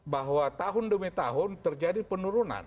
bahwa tahun demi tahun terjadi penurunan